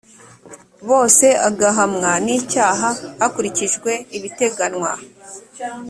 bose agahamwa n icyaha hakurikijwe ibiteganywa